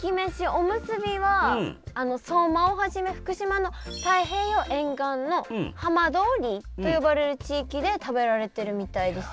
おむすびは相馬をはじめ福島の太平洋沿岸の浜通りと呼ばれる地域で食べられてるみたいです。